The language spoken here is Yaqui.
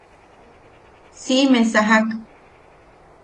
Siʼime sajak.